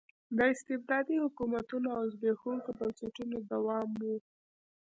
د استبدادي حکومتونو او زبېښونکو بنسټونو دوام و.